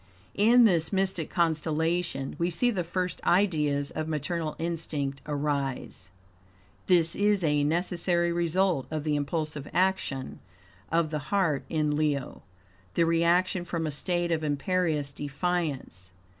In this mystic constellation, we see the first ideas of maternal instinct arise. This is a necessary result of the impulsive action of the heart in Leo the reaction from a state of imperious, defiance.